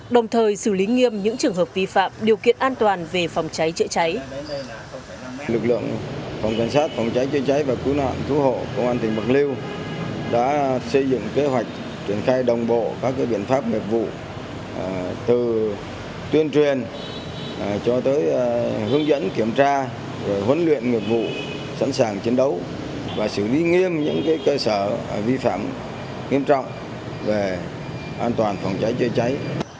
đồng thời xử lý nghiêm những trường hợp vi phạm điều kiện an toàn về phòng cháy chữa cháy